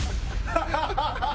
ハハハハ！